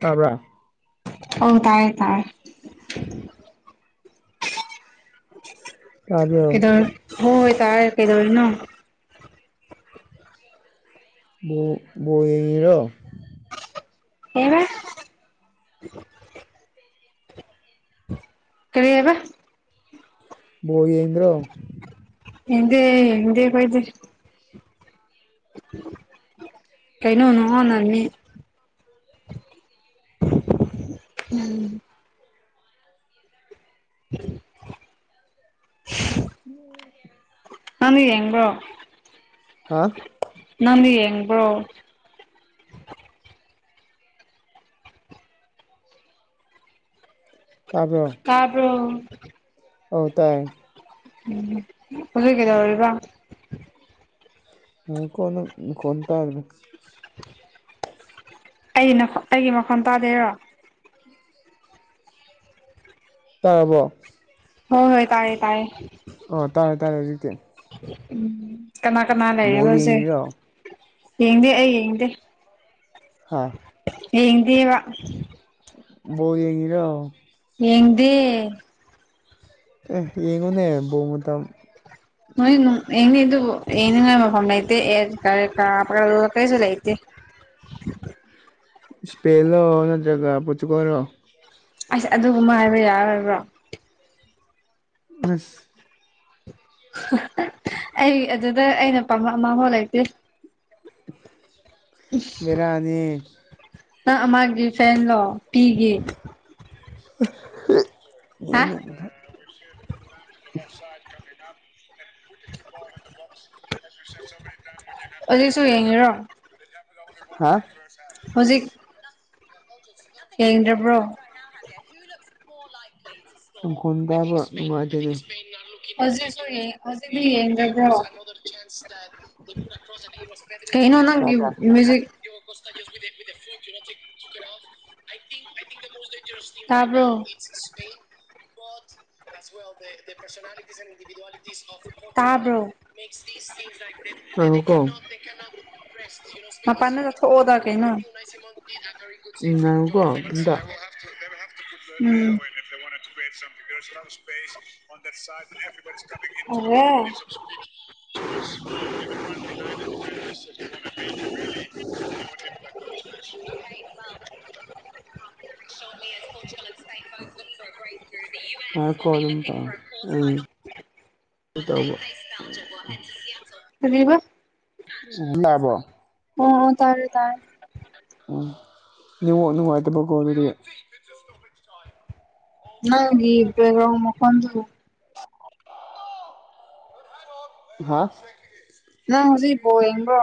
ꯇꯥꯕ꯭ꯔꯥ ꯍꯧ ꯇꯥꯏ ꯇꯥꯏ ꯇꯥꯕ꯭ꯔꯣ ꯀꯩꯗꯧ ꯍꯣꯏ ꯇꯔ ꯀꯩꯗ ꯅ ꯕꯥꯜ ꯌꯦꯡꯉꯤꯔꯣ ꯀꯩꯕꯥ ꯀꯔꯤ ꯍꯥꯏꯕ ꯕꯥꯜ ꯌꯦꯡꯗꯔꯣ ꯌꯦꯡꯗꯦ ꯌꯦꯡꯗꯦ ꯑꯈꯣꯏꯗꯤ ꯀꯩꯅꯩꯅꯣ [unintelligible] ꯎꯝ [inaudible] ꯎꯝ ꯅꯪ ꯌꯦꯡꯕ꯭ꯔꯣ ꯍꯥ ꯅꯥꯡꯗꯤ ꯌꯦꯡꯕꯔꯣ ꯇꯕꯔꯣ ꯑ ꯇꯥꯏ ꯍꯧꯖꯤꯛ ꯀꯩꯗꯧꯔꯤꯕꯥ ꯎ ꯀꯅ ꯀꯣꯟ ꯇꯔꯃꯦ ꯑꯩꯒꯤ ꯑꯩꯒꯤ ꯃꯈꯣꯟ ꯇꯥꯗꯦꯔꯣ ꯇꯔꯕꯔꯣ ꯍꯣꯏ ꯍꯣꯏ ꯇꯥꯑꯦ ꯇꯥꯌꯦ ꯑꯣ ꯇꯥꯔꯦ ꯇꯥꯔꯦ ꯍꯧꯖꯤꯛꯇꯦ ꯎꯝ ꯀꯅꯥ ꯀꯅꯥ ꯕꯣꯜ ꯂꯩꯔꯤꯕꯁꯦ ꯌꯦꯡꯉꯤꯔꯣ ꯌꯦꯡꯗꯦ ꯑꯩ ꯌꯦꯡꯗꯦ ꯍꯥ ꯌꯦꯡ ꯗꯦ ꯕꯥ ꯌꯦꯡꯉꯔ ꯌꯦꯡꯗꯦ ꯑ ꯌꯦꯡꯉꯅꯦꯕꯣꯃꯇ ꯅꯣꯏ ꯌꯦꯉꯕꯨꯅꯤꯅ ꯀꯔ ꯑ ꯂ ꯀꯩ ꯆꯂ ꯏꯦ ꯏꯁꯄꯦꯩꯅꯣ ꯅꯠꯇ꯭ꯔꯒ ꯄꯨꯠꯇꯀꯔꯣ ꯑꯁ ꯑꯗꯨꯒꯨꯝꯕ ꯍꯥꯏꯕ ꯌꯥꯔꯔꯕ꯭ꯔꯣ ꯑꯁ ꯑꯩ ꯑꯗꯨꯗ ꯑꯩꯅ ꯄꯥꯝ ꯑꯃꯐꯥꯎ ꯂꯩꯇꯦ ꯔꯅꯤ ꯅꯪ ꯃꯥꯒꯤ ꯐꯦꯟꯂꯣ ꯄꯤꯒ ꯅ ꯅ ꯍꯧꯖꯤꯛꯁꯨ ꯌꯦꯡꯉꯤꯔꯣ [inaudible] [inaudible] ꯌꯦꯗ꯭ꯔꯕ꯭ꯔꯣ ꯈꯟꯗꯕ ꯉꯗ ꯍꯧꯖꯤꯁꯨ ꯌꯦ ꯍꯧꯖꯤ ꯃꯤ ꯌꯦ [inaudible] ꯀꯩꯅꯣ ꯅꯪꯒꯤ ꯃ꯭ꯌꯨꯖꯤꯛ ꯑꯥꯏ ꯊ ꯗ ꯃꯣꯁ ꯇꯥꯕ꯭ꯔꯣ ꯁꯄ ꯄꯆꯨꯒ ꯇꯥꯕ꯭ꯔꯣ ꯍꯅꯤ ꯀꯣꯣ ꯃꯄꯥꯟꯗ ꯆꯠꯊꯣꯛꯑꯣꯗ ꯀꯩꯅꯣ ꯔꯣꯁꯄꯁꯤ ꯃꯟꯔꯤ ꯎꯝ ꯎꯝ ꯉꯪꯀꯣ ꯏꯗ ꯍꯧꯔꯦ [unintelligible] ꯔ ꯍ ꯋꯥ ꯐ ꯃ ꯑ ꯀꯝ ꯄꯥꯎ ꯎꯝ ꯇ ꯑꯗꯨꯕ ꯂꯕꯣ ꯑꯣ ꯑꯣ ꯇꯥꯔꯦ ꯇꯥꯔꯦ ꯎꯝꯉꯥꯏꯇꯕꯨ ꯀꯕꯗꯤ ꯅꯪ ꯏꯕ ꯃꯀꯗꯨ ꯍꯥ ꯅꯪ ꯍꯧꯖꯤꯛ ꯄꯑꯦꯕꯣ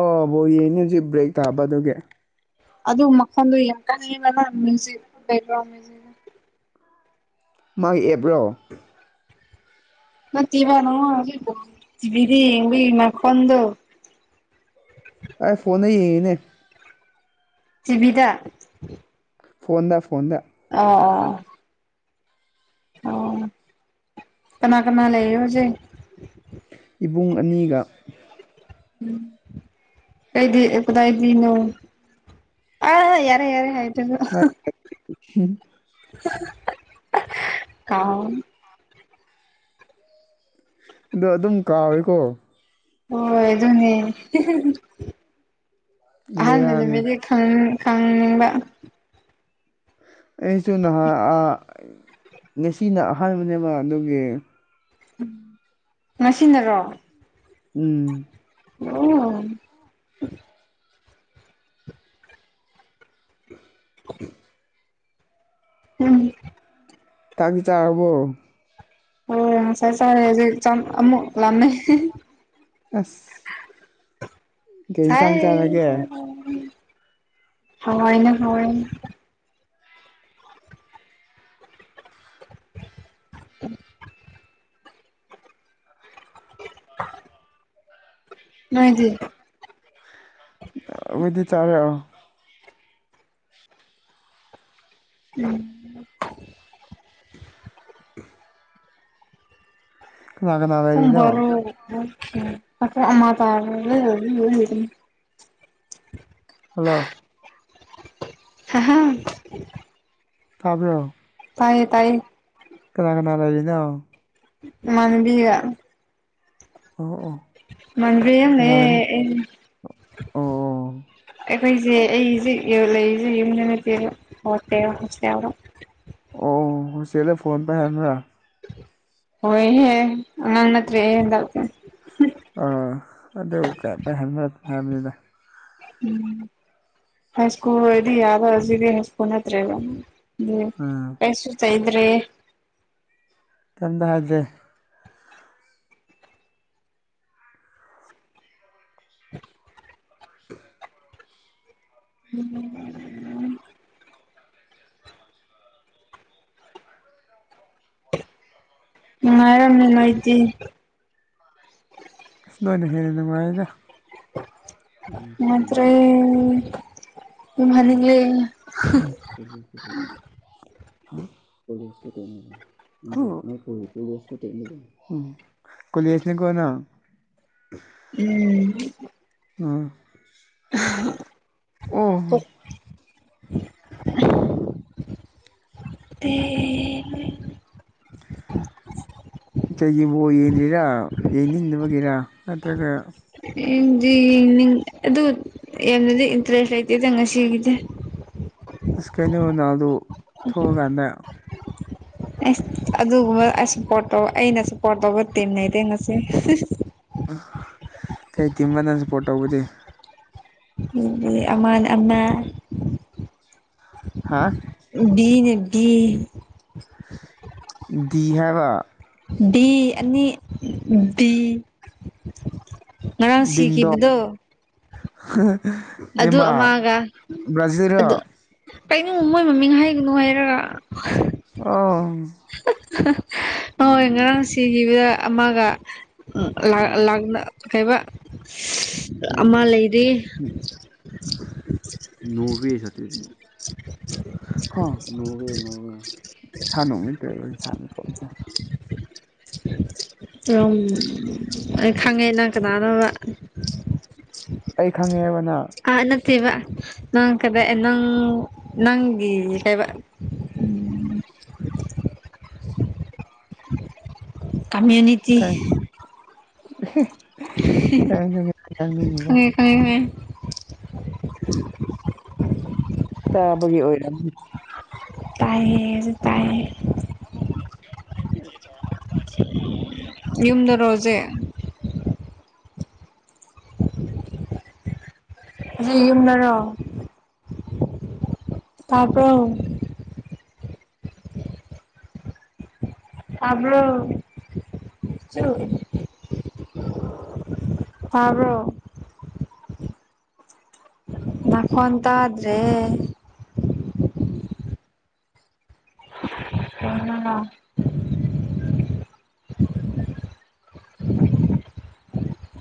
ꯑꯣꯕꯣ ꯌꯦꯅꯦ ꯍꯧꯖꯤꯛ ꯕ꯭ꯔꯦꯛ ꯇꯥꯕ ꯑꯗꯨꯒꯤ ꯑꯗꯨ ꯃꯈꯣꯟꯗꯨ ꯌꯥꯝ ꯀꯥ ꯍꯩꯕꯅ ꯃ꯭ꯌꯨꯖꯤꯛ ꯕꯦꯂꯣꯔ ꯃ꯭ꯌꯨꯖꯤꯛ ꯃꯥꯒꯤ ꯑꯦꯞ꯭ꯔꯣ ꯅ ꯄꯤꯕꯅꯣꯗꯤ ꯏ ꯃꯈꯗ ꯑ ꯐꯣꯟꯅꯅꯦ ꯕꯤꯗ ꯐꯣꯟꯗ ꯐꯣꯟꯗ ꯑ ꯑ ꯑꯣ ꯀꯅꯥ ꯀꯅꯥ ꯂꯩ ꯍꯧꯖꯤꯦ ꯏꯕꯨꯡ ꯑꯅꯤꯒ ꯀꯩꯗꯤ ꯈꯨꯗꯥꯏꯅꯣ ꯑ ꯍ ꯌꯥꯔꯦ ꯍꯥꯏꯗꯅ ꯎ ꯑ ꯑꯗꯣ ꯑꯗꯨꯝ ꯀꯥꯎꯋꯦꯀꯣ ꯍꯣꯏ ꯑꯗꯨꯅꯦ ꯑꯍꯥꯟꯕꯅ ꯕꯦꯔꯥꯅꯤ ꯅꯨꯃꯤꯗꯤ ꯈꯪ ꯈꯪꯅꯤꯡꯕ ꯑꯩꯁꯨ ꯅꯍꯥ ꯉꯁꯤꯅ ꯑꯍꯥꯟꯕꯅꯦꯕ ꯑꯗꯨꯒꯤ ꯎꯝ ꯉꯁꯤꯅꯔꯣ ꯎꯝ ꯑꯣ [unintelligible] ꯎꯝ ꯇꯥꯕꯤꯆꯥ ꯑꯕꯨ ꯍꯣꯏ ꯉꯁꯥꯏ ꯆꯥꯔꯦ ꯍꯧꯖꯤꯛ ꯑꯃꯨꯛ ꯆꯥꯛ ꯂꯥꯝꯃꯦ ꯑꯁ ꯀꯩ ꯐꯥꯏ ꯏꯟꯁꯥꯡ ꯆꯥꯔꯒꯦ ꯍꯣꯏꯅꯦ ꯍꯅꯦ ꯎꯝ [unintelligible] [unintelligible] ꯅꯣꯏꯗꯤ ꯑꯣꯏꯗꯤ ꯆꯥꯔꯦ ꯎꯝ ꯀꯅꯥ ꯀꯅꯥ ꯂꯩꯔꯤꯅꯣ [unintelligible] ꯍꯜꯂꯣ ꯍꯥ ꯇꯥꯕ꯭ꯔꯣ ꯇꯥꯏꯌꯦ ꯇꯥꯏꯌꯦ ꯀꯅꯥ ꯀꯅꯥ ꯂꯩꯔꯤꯅꯣ ꯃꯟꯕꯤꯒ ꯑꯣ ꯑꯣ ꯃꯟꯌꯦ ꯅꯃꯥꯟꯅꯕꯤ ꯑꯣ ꯑꯣ ꯑꯩꯈꯣꯏꯁꯦ ꯑꯩꯁꯦ ꯂꯩꯔꯤꯁꯦ ꯌꯨꯝꯗ ꯅꯠꯇꯦꯕꯥ ꯍꯣꯁꯇꯦꯜꯗ ꯑꯣ ꯍꯣꯁꯇꯦꯜꯗ ꯐꯣꯟ ꯄꯥꯏꯍꯟꯕꯔꯥ ꯍꯣꯏꯍꯦ ꯑꯉꯥꯡ ꯅꯠꯇ꯭ꯔꯔꯤꯗ ꯍꯥꯏꯕꯤꯗ ꯎꯝ ꯍꯥꯏ ꯁꯀꯨꯜ ꯑꯣꯏꯗꯤ ꯌꯥꯕ ꯍꯧꯖꯤꯗꯤ ꯍꯥꯏ ꯁꯀꯨꯜ ꯅꯠꯇꯔ꯭ꯦꯕꯥ ꯎꯝ ꯎꯝ ꯀꯩꯁ ꯇꯗ꯭ꯔꯤ ꯀꯝꯗ ꯍꯥꯏꯁꯦ [unintelligible] ꯎꯝ ꯅꯨꯪꯉꯥꯏꯉꯔꯝꯅꯤ ꯑꯣꯏꯗꯤ ꯅꯣꯏꯅꯥ ꯍꯦꯟꯅꯦ ꯅꯨꯡꯉꯥꯏꯗ ꯅꯨꯡꯉꯥꯏꯇꯔ꯭ꯦ ꯎꯝ ꯎꯝꯇ ꯀ ꯀꯨꯂꯁꯅꯦ ꯀꯣꯅ [unintelligible] [unintelligible] ꯎꯝ ꯑ ꯎ ꯇ ꯀꯩꯒꯤꯕꯨꯣ ꯌꯦꯡꯜꯂꯤꯔꯥ ꯌꯦꯡꯅꯤꯡꯗꯕꯒꯤꯔꯥ ꯅꯠꯇ꯭ꯔꯒ ꯏꯗꯤ ꯑꯗꯨ ꯑꯗꯨ ꯌꯦꯗꯤ ꯏꯟꯇ꯭ꯔꯦꯁ ꯑꯇꯗꯪꯁꯤꯒꯗꯦ ꯏꯁꯀꯦꯅꯤꯅ ꯑꯗꯨ ꯊꯒꯥꯟꯗ ꯑꯁ ꯑꯗꯨꯒꯨꯝꯕ ꯑꯩ ꯁꯞꯄꯣꯔꯠ ꯇꯧ ꯑꯩꯅ ꯁꯞꯄꯣꯔꯠ ꯇꯧꯕ ꯇꯤꯝ ꯅꯩꯗꯦ ꯉꯁꯤ ꯀꯩ ꯀꯤꯝꯕ ꯅꯪ ꯁꯄꯣꯔꯠ ꯇꯧꯕꯗꯤꯦ ꯑꯗꯒꯤ ꯑꯃꯅ ꯑꯃ ꯍꯥ ꯅꯦꯗꯤ ꯍꯕ ꯑꯅꯤ ꯉ ꯁꯤ ꯀꯈꯤꯕꯗꯣ ꯍ ꯑꯗꯨ ꯑꯃꯒ ꯕ꯭ꯔꯥꯖꯤꯜꯔꯣ ꯑꯗꯨ ꯀꯩꯅꯣ ꯃꯣꯏ ꯃꯃꯤꯡ ꯍꯥꯏꯒꯅꯨ ꯍꯥꯏꯔꯒ [unintelligible] ꯑꯣ ꯍꯣꯏ ꯉꯔꯥꯡ ꯁꯤꯈꯤꯕꯗ ꯑꯃꯒ ꯂꯥꯛꯅ ꯈꯩꯕ ꯅꯚ ꯀ ꯁꯥꯟꯅ ꯍ ꯇꯗꯤ ꯁ ꯄꯥꯎ ꯑꯗꯨꯨꯝ ꯑꯩ ꯈꯥꯡꯉꯩꯅꯪ ꯀꯅꯥꯅꯕ ꯑꯩ ꯈꯪꯉꯦ ꯍꯥꯏꯕꯅ ꯅꯠꯇꯦꯕ ꯅꯪ ꯀꯗꯥ ꯅꯪ ꯅꯪꯒꯤ ꯀꯕ [unintelligible] ꯀꯃ꯭ꯌꯨꯅꯤꯇꯤ ꯀ ꯈꯪꯉꯦ ꯈꯪꯉꯦ [unintelligible] ꯇꯥꯕꯒꯤ ꯑꯣꯏꯔꯝꯃꯤ ꯇꯥꯏ ꯇꯥꯏ [unintelligible] ꯌꯨꯝꯗ ꯔꯖꯩ ꯌꯨꯝꯅꯔꯣ ꯇꯥꯔꯕ ꯑꯕ꯭ꯔꯣ ꯆ ꯇꯔꯣ ꯅꯅꯥ ꯈꯣꯟ ꯇꯥꯗ꯭ꯔꯦ ꯊꯅꯅ ꯑ